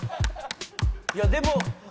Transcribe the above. いやでも。